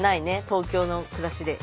東京の暮らしで。